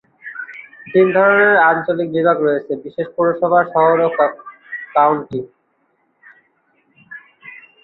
তিন ধরনের আঞ্চলিক বিভাগ রয়েছে: বিশেষ পৌরসভা, শহর ও কাউন্টি।